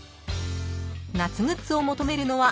［夏グッズを求めるのは］